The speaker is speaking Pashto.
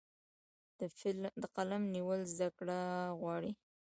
د قلم نیول زده کړه غواړي.